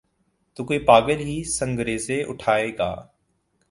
تو کوئی پاگل ہی سنگریزے اٹھائے گا۔